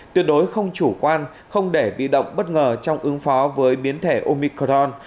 tuyệt đối không chủ quan không để bị động bất ngờ trong ứng phó với biến thể omicron